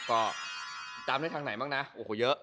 ก็ตามได้ทางไหนบ้างนะโอ้โหเยอะ